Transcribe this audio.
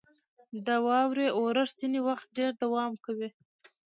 • د واورې اورښت ځینې وخت ډېر دوام کوي.